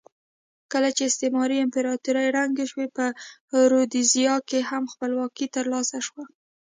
کله چې استعماري امپراتورۍ ړنګې شوې په رودزیا کې هم خپلواکي ترلاسه شوه.